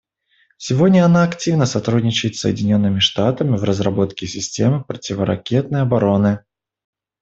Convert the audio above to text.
Сегодня она активно сотрудничает с Соединенными Штатами в разработке системы противоракетной обороны.